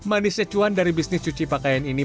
manisnya cuan dari bisnis cuci pakaian ini